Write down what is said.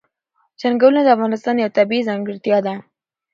چنګلونه د افغانستان یوه طبیعي ځانګړتیا ده.